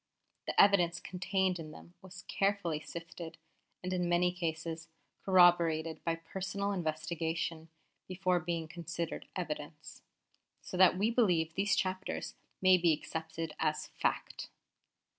The evidence contained in them was carefully sifted, and in many cases corroborated by personal investigation, before being considered evidence: so that we believe these chapters may be accepted as fact.